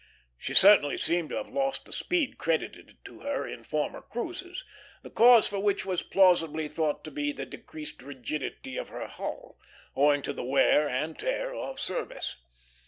She certainly seemed to have lost the speed credited to her in former cruises; the cause for which was plausibly thought to be the decreased rigidity of her hull, owing to the wear and tear of service.